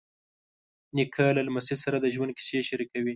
نیکه له لمسي سره د ژوند کیسې شریکوي.